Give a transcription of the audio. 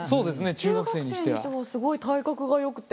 中学生にしてはすごい体格が良くて。